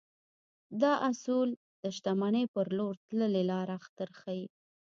دا اصول د شتمنۍ پر لور تللې لاره درښيي.